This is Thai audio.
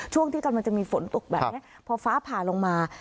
ช่วงที่กำลังจะมีฝนตกแบบนี้พอฟ้าผ่าลงมา